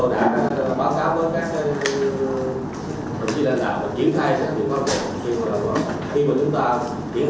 kiểm tra những con cục khi mà chúng ta kiểm tra thì không bắt ngay đối tượng